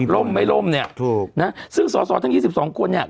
ร่มไหมร่มเนี้ยถูกน่ะซึ่งสอสอทั้งยี่สิบสองคนเนี้ย